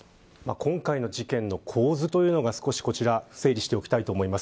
今回の事件の構図というのをこちら整理しておきたいと思います。